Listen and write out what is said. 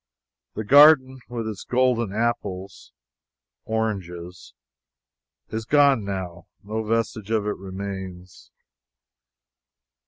The garden, with its golden apples (oranges), is gone now no vestige of it remains.